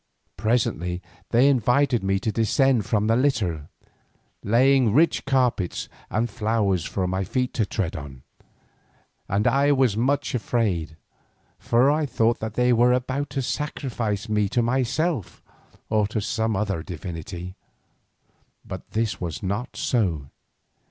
Presently they invited me to descend from the litter, laying rich carpets and flowers for my feet to tread on, and I was much afraid, for I thought that they were about to sacrifice me to myself or some other divinity. But this was not so.